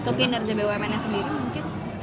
tapi inerja bumn nya sendiri mungkin